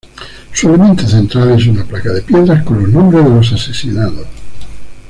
Su elemento central es una placa de piedra con los nombres de los asesinados.